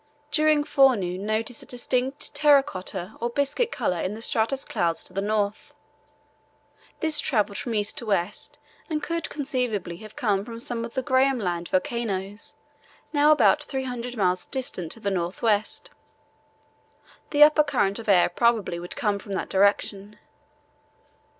During forenoon notice a distinct terra cotta or biscuit colour in the stratus clouds to the north. This travelled from east to west and could conceivably have come from some of the Graham Land volcanoes, now about 300 miles distant to the north west. The upper current of air probably would come from that direction.